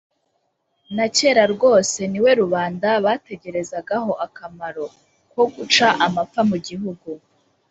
na cyera rwose niwe rubanda bategerezagaho akamaro kwo guca amapfa mu gihugu